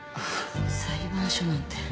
裁判所なんて。